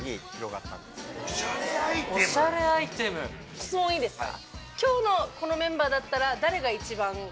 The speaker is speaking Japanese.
質問いいですか？